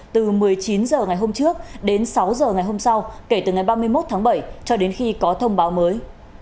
từ một mươi chín h ngày hôm trước đến sáu h ngày hôm sau kể từ ngày ba mươi một tháng bảy cho đến khi có thông báo mới